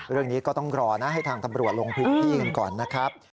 เรื่องนี้ก็ต้องรอนะให้ทางตำรวจลงพื้นที่กันก่อนนะครับ